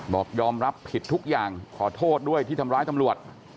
บอกยอมรับผิดทุกอย่างขอโทษด้วยที่ทำร้ายตำรวจ